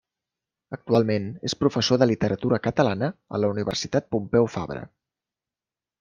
Actualment és professor de literatura catalana a la Universitat Pompeu Fabra.